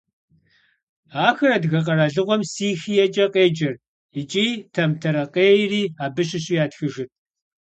Ахэр адыгэ къэралыгъуэм Сихиекӏэ къеджэрт икӏи Тэмтэрэкъейри абы щыщу ятхыжырт.